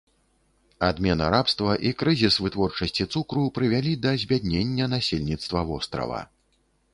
Адмена рабства і крызіс вытворчасці цукру прывялі да збяднення насельніцтва вострава.